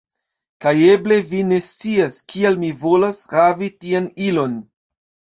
Kaj eble vi ne scias, kial mi volas havi tian ilon.